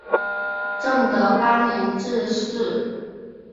正德八年致仕。